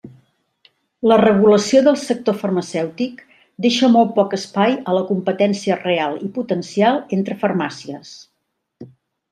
La regulació del sector farmacèutic deixa molt poc espai a la competència real i potencial entre farmàcies.